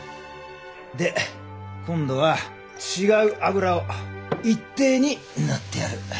で今度は違う油を一定に塗ってやる。